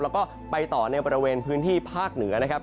แล้วก็ไปต่อในบริเวณพื้นที่ภาคเหนือนะครับ